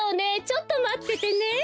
ちょっとまっててね。